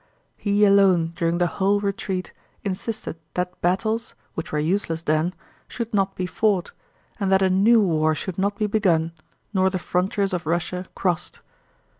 He alone during the whole retreat insisted that battles, which were useless then, should not be fought, and that a new war should not be begun nor the frontiers of Russia crossed.